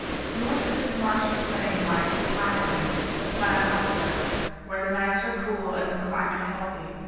North of this marshy plain lies the highland, the Plan Alto, where the nights are cool and the climate healthy.